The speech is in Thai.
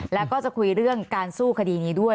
แล้วก็จะคุยเรื่องการสู้คดีนี้ด้วย